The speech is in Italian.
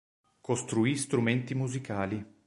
Costruì strumenti musicali.